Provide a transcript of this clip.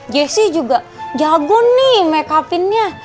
jessy juga jago nih makeup innya